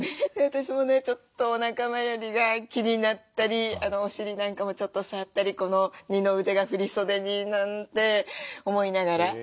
私もねちょっとおなか回りが気になったりお尻なんかもちょっと触ったりこの二の腕が振り袖になんて思いながら。